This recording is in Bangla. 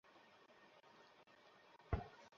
নতুন ডিজে চলে এসেছে।